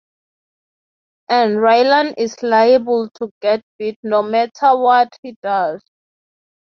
And Raylan is liable to get bit no matter what he does.